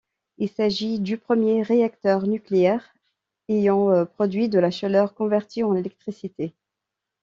Il s'agit du premier réacteur nucléaire ayant produit de la chaleur convertie en électricité.